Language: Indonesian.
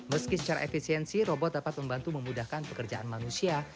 meski secara efisiensi robot dapat membantu memudahkan pekerjaan manusia